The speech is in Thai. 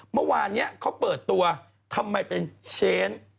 เมื่อวานนี้เขาเปิดตัวทำไมเป็นเชน